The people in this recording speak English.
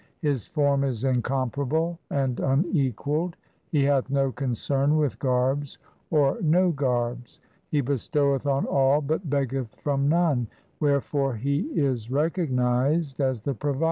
His form is incomparable and unequalled ; He hath no concern with garbs or no garbs. He bestoweth on all but beggeth from none Wherefore He is recognized as the Provider.